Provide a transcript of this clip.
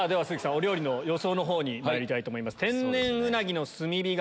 お料理の予想にまいりたいと思います。